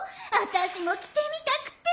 あたしも着てみたくて。